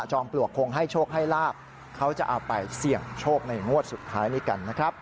ปลวกคงให้โชคให้ลาบเขาจะเอาไปเสี่ยงโชคในงวดสุดท้ายนี้กันนะครับ